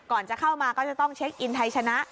ก่อนจะเข้ามาก็จะต้องเช็คอินไทยชนะ